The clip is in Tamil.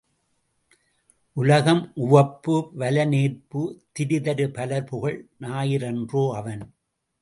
உலகம் உவப்ப வலனேர்பு திரிதரு பலர்புகழ் ஞாயிறன்றோ அவன்?